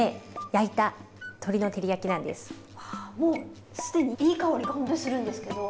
あもう既にいい香りがほんとにするんですけど。